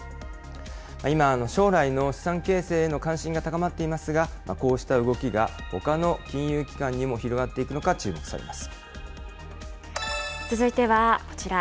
今、将来の資産形成への関心が高まっていますが、こうした動きがほかの金融機関にも広がっていくのか、注目されま続いては、こちら。